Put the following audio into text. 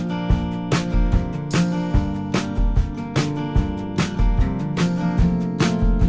ก็พยายามทำให้ดีที่สุดค่ะ